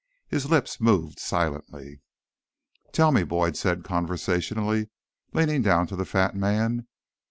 His lips moved silently. "Tell me," Boyd said conversationally, leaning down to the fat man.